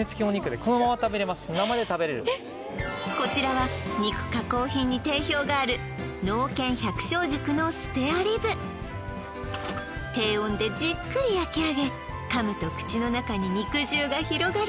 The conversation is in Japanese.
生で食べれるこちらは肉加工品に定評がある農研百姓塾のスペアリブ低温でじっくり焼き上げ噛むと口の中に肉汁が広がる